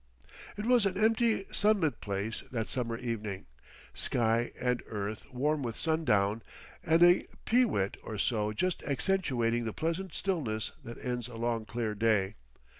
It was an empty sunlit place that summer evening, sky and earth warm with sundown, and a pe wit or so just accentuating the pleasant stillness that ends a long clear day.